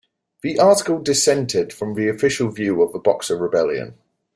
The article dissented from the official view of the Boxer Rebellion.